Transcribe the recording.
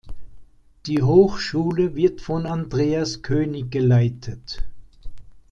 Die Hochschule wird von Andreas König geleitet.